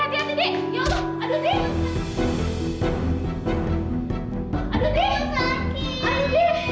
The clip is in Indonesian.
ade hati hati ade ya allah aduh ade